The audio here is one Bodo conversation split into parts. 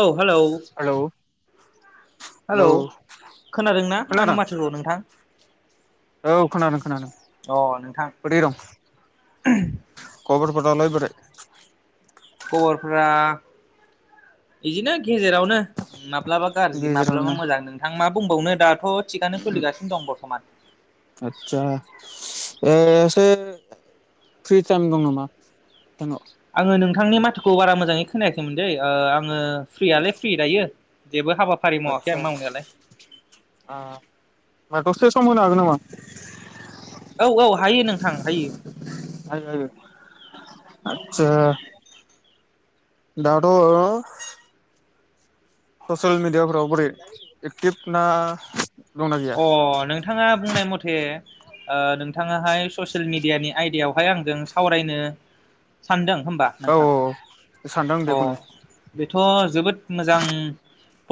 औ हेलौ हेलौ हेलौ खोनादोंना खोनादों आंनि माथोखौ नोंथां? औ खोनादों खोनादों अ नोंथां बोरै दं? [unintelligible] खबर फोरालाय बोरै? खबरफोरा इदिनो गेजेरावनो मा ब्लाबा गारजि माब्लाबा गेजेरावनो मोजां नोंथां मा बुंबावनो दा? थ थिगानो सलिगासिनो दं बरथ'मान आदसा एसे फ्रि टाइम दं नामा? [unintelligible] थांनि माथोखौ बारा मोजाङै खोनाया खैमोनदै ओ आङो। फ्रियालाय फ्रि दायो। जेबो हाबाफारि मावाखै आदसा आं मावनायालाय। होमबा दसे सम होनो हागोन नामा? औ औ हायो नोंथां हायो। आथसा दाद' ससेल मिडियाफ्राव बोरै एक्टिभ ना दंना गैया अ नोंथाङा बुंनाय मथे ओ नोंथाङा हाय ससेल मिडियानि आयदायावहाय आंजों सावरायनो सानदों होमबा औ औ नोंथां सानदों अ बेखौनो बेथ' जोबोद मोजां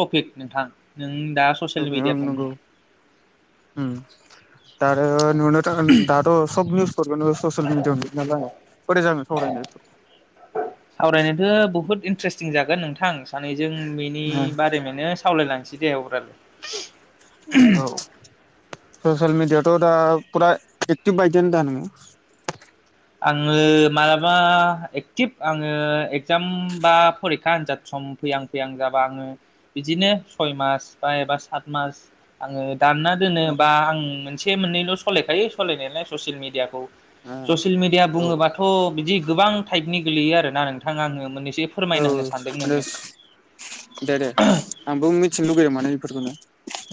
टपिक नोंथां नों दा ससियेल मिडिया नंगौ बुंंनाया उम दा आरो नुनो [unintelligible] दाथ' सब निउस फोरखौनो ससेल मिदियायाव नुयो नालाय बोरै जानो सावरायनाय फोर सावरायनोथो बुहुत इन ट्रेस्टिं जागोन नोंथां सानै जों बिनि बारै मोनो सावलायलां सिदे होवब्राद औ ससेल मिदिया थ' दा फुरा एकटिभ बायदियानो दा नोङो? आङो मालाबा एक्टिभ आङो एक्जाम बा फरिखा आनजाद सम फैहां फैयां जाबा आङो बिदिनो सय मास बा एबा सात मास आङो दानना दोनोबा आं मोनसे से मोननैल' सलायखायो सलायनायालाय ससियेल मिडियाखौ। आ ससियेल मिडिया बुङोबाथ' बिदि गोबां थाइब नि गोलैयो आरो ना नोंथां आङो मोननै औ [unintelligible] दे दे आंबो मिथिनो लुगैयो माने फोरखौनो।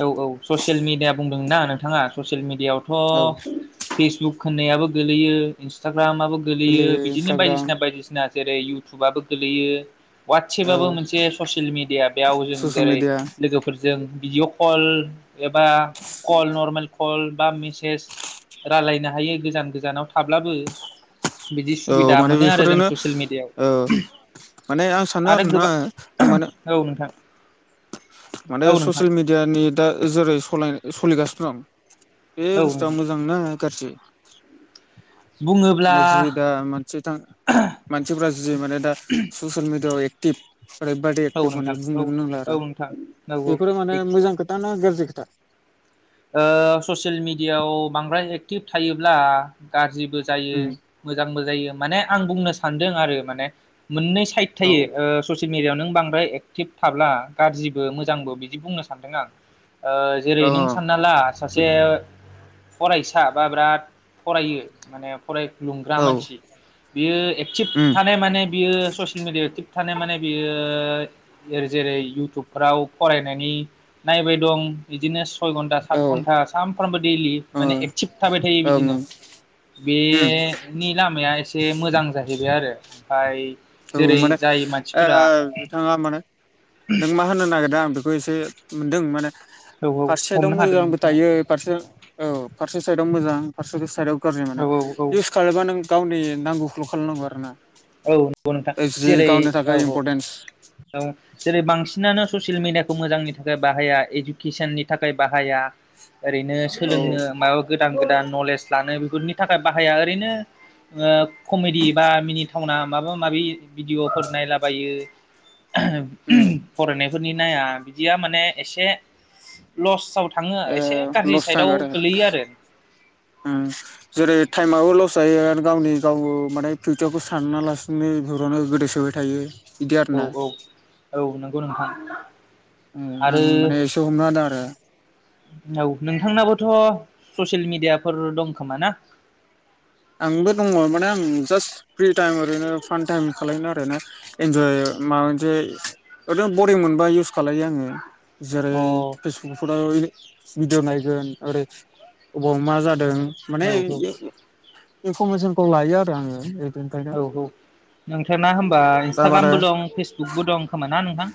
औ औ ससियेल मिडिया बुंदोंना नोंथाङा ससियेल औ मिडियाआवथ' फेसबुक होननायाबो गोलैयो इन्सटा ग्रामाबो गोलैयो गोरलैयो बिदिनो इन्सटाग्राम बायदिसिना बायदिसिना जेरै इउ थुबाबो गोलैयो औ वाटसेबाबो मोनसे ससियेल मिडिया बेयाव जों ससियेल जेरै मिडिया लोगोफोरजों बिय' कल एबा कल नरमेल कल बा मिसेज रायलायनो हायो गोजान गोजानाव थाब्लाबो बिदि औ सुबिदा माने मोनो आरो बेफोरो जों ससियेल मिडियायाव औ माने आं सानो आरो ना आ माना औ नोंथां माने औ नोंथां ससियेल मेडियानि दा जेरै सलाय सलिगासिनो दं बे औ बुस्थुआ नोंथां मोजांना गारसे बुङोब्ला दा मोनसे था मानसिफोरा जि माने दा ससियेल मिडियाआव [unintelligible] रेद‌ बादे औ एक्टे माने नोंथां औ बुंनोनो रोंला औ आरो नोंथां औ बेफोरो माने मोजां खोथा ना गाज्रि खोथा? ओ ससियेल मिडियाायाव बांद्राय एक्टिभ थायोब्ला गाज्रि बो जायो उम मोजांबो जायो। माने आं बुंनो सानदों आरो माने मोननै थाइप औ थायो ओ ससियेल येल मेदियायाव नों बांद्राय एक्टिभ थाब्ला गाज्रिबो मोजांबो बिदि बुंनो सान्दों आं औ जेरै नों सानना ला सासे फरायसा बा बिराद फरायो माने फरायलुंग्रा औ मानसि बियो एक्टिभ उम थानाय माने बियो ससियेल मिडिया एक्टिभ थाबथानो माने बियो जेरै इउटुबफ्राव फरायनायनि नायबाय दं बिदिनो सय घन्टा सात औ ओ घन्टा सानफ्रामबो दैलि माने ओं एक्टिभ थाबाय थायो ओं बिदिनो। उम बेनि लामाया एसे। एसे मोजां जाहैबाय आरो ओमफाय थ' जेरै माने जाय ओ मानसिफोरा बिथाङा माने नों मा होननो नागिरदों? बेखौ एसे मोनदों माने। औ फारसे साइडआव हमनो हादों मोजांबो नोंथाङा थायो। फारसे औ फारसे साइदाव मोजां फारसेथि साइदआव गाज्रि माने औ औ इस खालामबा नों गावनि नांगौ। ल' खालामनांगौ आरो ना। औ नंगौ नोंथां जि जेरै गावनि औ थाखाय औ। इम्परटेन्स औ जेरै बांसिनानो ससियेल मिडियाखौ मोजांनि थाखाय बाहाया इडुकेसननि थाखाय बाहाया। ओरैनो औ सोलोंनो माबा गोदान गोदान नलेज लानो बेफोरनि थाखाय बाहाया ओरैनो ओ कमेडि बा मिनिथावना माबा माबि भिडिअफोर नायलाबायो आ उम फरायनाय खरनि नाया बिदिया माने एसे लसाव थाङो एसे ओ गाज्रि लस थागो साइडआव आरो गोलैयो आरो उम जेरै टायेमाबो लस जायो आरो गावनि गाव माने फिउचारखौ साना लासिनो बेफोरावनो गोदोसोबाय थायो बिदि औ आरोना औ औ नोंगौ नोंथां। [inaudible] आं आरो माने एसे हमना होदों आरो औ नोंथांनाबो थ' ससेेल मिदियाफोर दं खोमा ना? आंबो दङ माने आं जास फ्रि टाइम ओरैनो फान टाइम खालायनो आरो ना इन्जय माबा मोनसे ओरैनो बरिं मोनबा इउस खालायो आङो। जेरै अ फेसबुकफोराव इदो भिडिअ नायगोन ओरै अबाव मा जादों माने औ औ इयाव इयाव इनफरमेसनखौ लायो आरो आङो। ए औ औ नोंथांना होमबा दा माने इन्सटाग्रामबो दं फेसबुकबो दं खोमा ना नोंथां?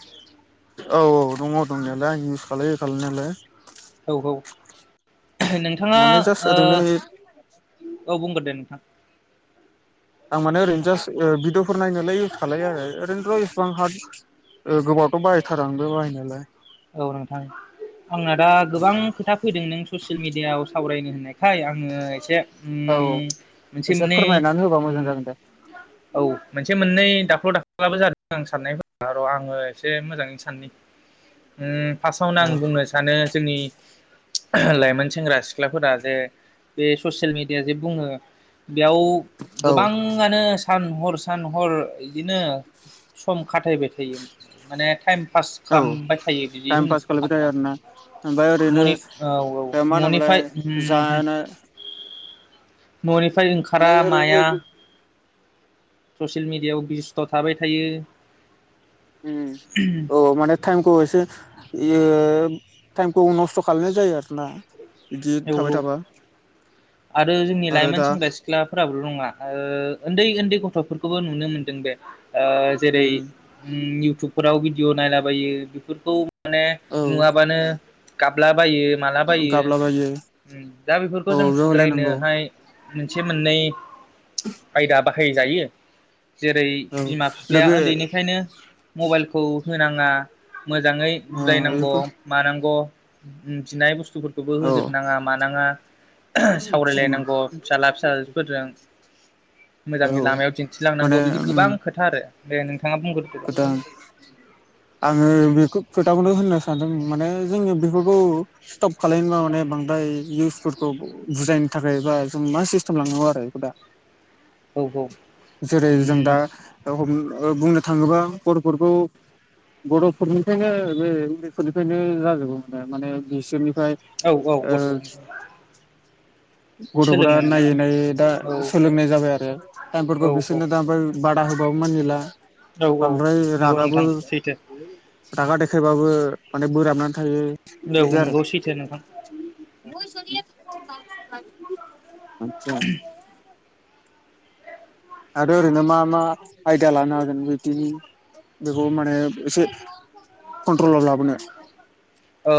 औ औ दङ दंनायालाय आं इउस खालायो खालाय नायालाय। औ औ नोंथाङा माने जास्ट ओ ओरैनो औ बुंग्रो दे [inaudible] आं माने ओरैनो जास ओ भिडिअ'फोर नायनोलाय इउस खाय आरो ओरैनोथ' इसिबां हार ओ गोबावथ' बाहायथारा आंबो बाहायनायालाय। औ नोंथां आंना दा गोबां खोथा फैदों नों ससियेल मिडियाआव सावरायनो होननायखाय आङो एसे उम औ मोनसे एसे मोननै फोरमायनानै होबा मोजां उम जागोन दे औ मोनसे मोननै दाख्ल' दाख्ल्लाबो जादों आं साननायफोरा' र' आङो एसे मोजाङैनो साननि उम फासावनो आं बुंनो सानो जोंनि लाइमोन सेंग्रा सिख्लाफोरा जे बे ससियेल मेडिया जे बुङो बेयाव औ गोबाङानो सान हर हर सान हर इदिनो सम खाथायबाय थायो माने टाइम पास औ खामबाय टाइम पास खालायबाय थायो आरोना ओमफाय ओरैनो न'नि औ औ ओ मा होनोमोबलाय न'निफ्राय जानो मनि फ्राय माने ओंखारा ओरैनो माया ससियेल मिडियायाव बिजस्थ' थाबाय थायो उम अ माने थाइमखौसे इसे इयो ओ टाइमखौ नस्थ' खालायनाय जायो आरोना। बिदि थाबाय औ औ थाबा आरो जोंनि आरो लाइमोन दा सेंग्रा सिख्लाफोराबो नङा ओ उन्दै उन्दै गथ'फोरखौबो नुनो मोनदों बे ओ जेरै उम इउटुब फोराव भिडिअ नायलाबायो बेफोरखौ माने औ नुवाबानो गाबलाबायो मालाबायो गाबलाबायो उम दा बेफोरखौ औ जों बेयाव होलायनांगौ सुद्रायनोहाय मोनसे मोननै आयदा बाहायजायो जेरै औ बिमा दा बिफाया बे उन्दैनिफ्रायनो मबाइलखौ होनाङा मोजाङै ओ बुजायनांगौ बेफोर मानांगौ बिनाय बु स्थुफोरखौबो औ होजोब नाङा मानाङा उम सावरायलायनांगौ फिसाला फिसाफोरजों औ मोजांनि लामायाव दिन्थिलांनांगौ माने बिदि गोबां उम खोथा आरो दे नों गोदान आङो बेखौ खोथाखौनो होननो सानदों माने जोङो बेफोरखौ स्टप खालायनोबा माने बांद्राय इउस फोरखौ बुजायनो थाखाय बा जों मा सिस्टेम लांनांगौ आरो बेखौ दा औ जेरै जों उम दा हम ओ बुंनो थाङोबा गथ'फोरखौ बर'फोरनिफ्रायनो बे मुलिफोरनिफ्रायनो जाजोबो माने माने बिसोरनि ओमफ्राय औ ओ गथ'फोरखौ गथ'फ्रा सोलोंनो मोनो नायै नायै दा औ सोलोंनाय जाबाय आरो टाइमफोरखौ औ बिसोरनो दा ओमफ्राय बादा होबाबो मानिला औ औ बांद्राय नंगौ रागाबो नोंथां सैथो रागा दे खायबाबो माने बोराबना थायो औ बिदि आरो नंगौ सैथो नोंथां [unintelligible] आरो ओरैनो मा मा आयदा लानो हागोन बिदि बेखौ माने एसे कन्ट्रलाव लाबोनो ओ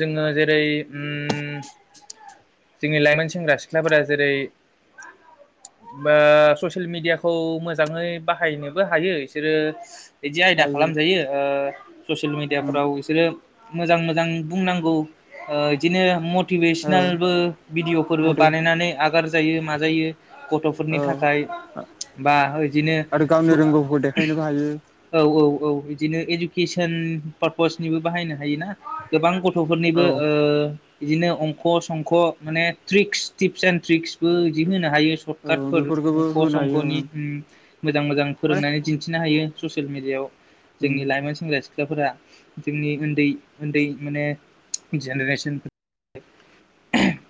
जोङो जेरै उम जोंनि लाइमोन सेंग्रा सिख्लाफोरा जेरै बा ससियेल मेडियाखौ मोजाङै बाहायनोबो हायो बिसोरो बिदि आयदा हायो खालामजायो ओ ससियेल उम मेडियाफ्राव बिसोरो मोजां मोजां बुंनांगौ ओ बिदिनो म औ मटिभेसनेल भिडिअफोरबो मथे बानायनानै आगार जायो मा जायो गथ'फोरनि औ थाखाय बा बिदिनो आरो गावनि रोंगौखौ देखायनोबो हायो औ औ औ बिदिनो इडुकेसन पारपसनिबो बाहायनो हायोना गोबां गथ' औ गथ'फोरनिबो ओ बिदिनो अंकस संख' माने ट्रिक्स टिप्स एण्ड ट्रिक्स बो बिदि होनो हायो सशर्ट औ काटफोर बेफोरखौबो अंख' होनो हायो संख'नि मोजां मोजां माने फोरोंनानै दिन्थिनो हायो। ससियेल मिडियाआव जोंनि लाइमोन सेंग्रा सिख्ला खाफोरा जोंनि उन्दै उन्दै माने जेनेरेसन [inaudible]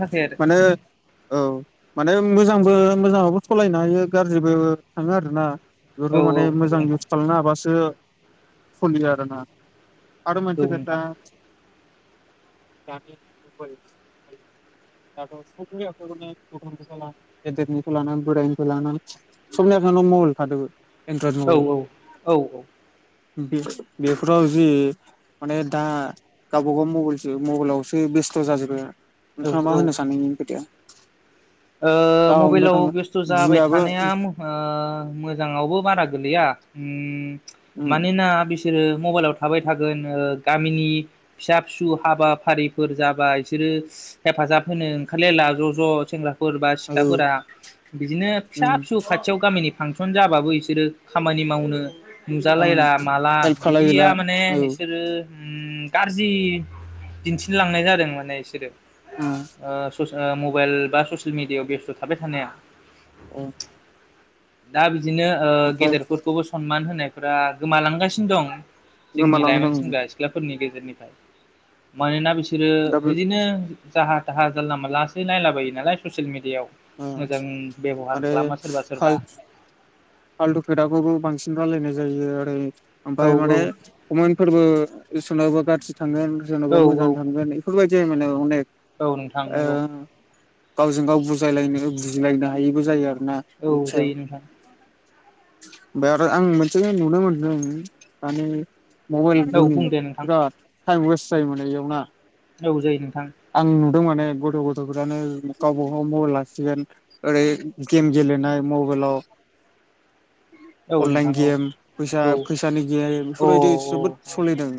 थाखाय आरो माने औ माने मोजांबो मोजां बहुत सलायनो हायो गाज्रिबो थाङो आरोना औ बेफोरखौ औ माने नंगौ मोजां नोंथां इउस खालामनो हाबासो सलियो आरो ना। आरो मोनसे औ खोथा। नोंथां [unintelligible] दाथ' सनि आखाइायावखौ गथ लानानै गेदेरनिखौ लानानै बोरायनिफ्राय लानानै सबनि आखायावयावनो मबेल थाजोबो औ औ औ औ बे बेफोराव जि माने दा गावबागाव मबाइलसो मबाइलावसो बेस्थ' जाजोबो। नोंथाङा मा औ औ होनो सानो एनि खोथाया? ओ दा हमनो मबाइलाव थाङो बेस्थु जाबाय बिमायाबो थानाया ओ मोजाङावबो बारा गोलैया उम उम मानोना बिस बिसोरो मबाइलाव थाबाय थागोन ओ गामिनि फिसा फिसौ हाबाफारिफोर जाबाय बिसोरो हेफाजाब होनो ओंखारलायला ज' ज' सेंग्रा फोर बा औ सिख्लाफोरा बिदिनो उम फिसा फिसौ खाथियाव गामिनि फांसन जाबाबो इसोरो खामानि मावनो थारमाने नुजालायला माला हेल्प बिदिया खालायहैला माने औ इसोरो उम गाज्रि दिन्थिलांनाय जादों माने इसोरो उम औ आ मबेल बा ससियेल मिडियाआव बेस्थ' थाबाय थानाया। औ दा बि बिदिनो ओ गेदेरफोरखौबो सनमान होनायफ्रा गोमालांगासिनो दं जोंनि गोमालांगोन लाइमोन आं सेंग्रा सिख्लाफोरनि गेजेराव मानोना बिस दा बे बिसोरो इदिनो जाहा जाहा जानला मोनलासो नायला बायो नालाय ससियेल मिडिया याव ओ मोजां बेब'हार खालामो सोरबा सोरबा फालथु खोथाखौबो बांसिन रायलायनाय जायो ओरै औ ओमफाय माने खमेन फोरबो [unintelligible] थांगोन औ सोरनवबा औ मोजां थांगोन एफोरबायदि जायो माने अनेक औ नोंथां नंगौ ओ गावजों गाव बुजायलायनो बुजिलायनो हायिबो जायो आरो औ जायो नोंथां ओफाय आरो आं मोनसे नुनो मोनदों माने मबाइल औ गेमनि बुं दे नोंथां बिराद टाइम वेस्ट जायोमोन बे इयावना औ जायो नों आं नु माने गथ' गथ'फ्रानो गावबाागाव मबाइल लासिगोन ओरै गेम गेलेनाय मबाइलाव औ नोंथां अनलाइन औ गेम फैसा औ फैसानि गेम औ बेफोरबायदि जोबोद सोलिदों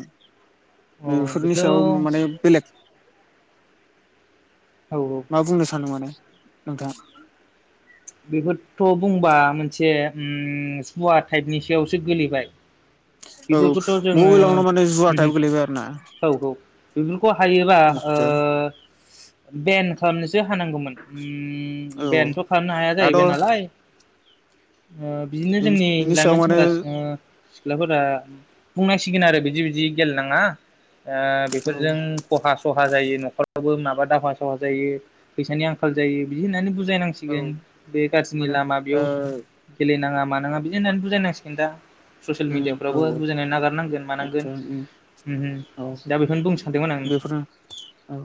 औ बेफोरनि बेथ' सायाव माने औ बेलेग औ मा बुंनो सानो माने नोंथां बेफोरथ' बुंबा मोनसे ओम [unintelligible] टाइपनि सायावसो गोलैबाय औ बेफोरखौथ' जोङो मबाइलावनो माने जुवा टाइप गोलैबाय आरो ना औ औ बेफोरखौ हायोबा ओ निस्सय बेन [unintelligible] हौमोन उम औ बेनोथ' खालामनो हाया जाहैबाय दाथ' नालाय ओ बिदिनो जोंनि बिनि सायाव लाइमोन माने सेंग्रा ओ सिख्लाफोरा बुंनाय सिगोन आरो बिदि बिदि गेलेनाङा ओ औ बेफोरजों खहा सहा जायो न'खरावबो माबा दावहा ओ जायो फैसानि आंखाल जायो बिदि होननानै बु औ जायनांसिगोन बे गाज्रिनि माने लामा बेयाव ओ गेलेनाङा मानाङा बिदि होननानै बुजायनांसिगोन दा ससियेल उम मिडियाफ्रावबो औ बुजायनानै नागारनांगोन मानांगोन आदसा उम उम उम औ दा बेखौनो बुंनो सानदोंमोन आं नोंथां बेफोरनो औ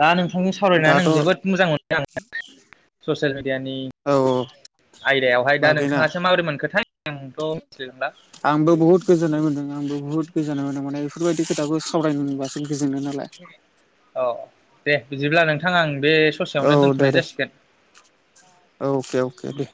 दा नों थांजों सावरायनानै दाथ' आं औ जोबोद मोजां मोनबाय आं ससियेल मिडिया नि अ आयदायावहाय दा नोंथाङासो माबोरै मोनखोथाय आोंथ' मिथिलांला आंबो बुहुत गोजोननाय मोनदों आंबो बुहुत गोजोननाय मोनदों माने बेफोरबायदि खोथाखौ सावरायनो मोनबासो गोजोनो नालाय औ दे बिदिब्ला नोंथाङा आं बे औ ससेयावनो दे दोनथ'नाय दे जासिगोन औके अके दे